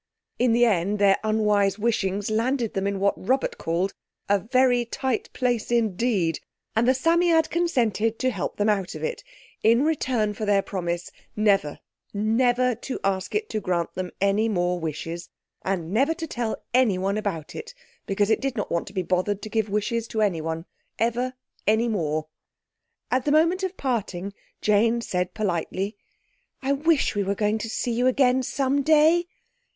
In the end their unwise wishings landed them in what Robert called "a very tight place indeed", and the Psammead consented to help them out of it in return for their promise never never to ask it to grant them any more wishes, and never to tell anyone about it, because it did not want to be bothered to give wishes to anyone ever any more. At the moment of parting Jane said politely— "I wish we were going to see you again some day."